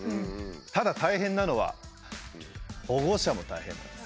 ただ大変なのは保護者も大変なんです。